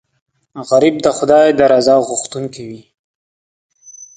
غریب د خدای د رضا غوښتونکی وي